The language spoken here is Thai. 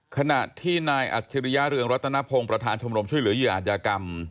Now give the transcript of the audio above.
ขณะที่นายอัจฉริยะเรืองรัตนพงศ์ประธานชมรมช่วยเหลือเหยื่ออาจยากรรม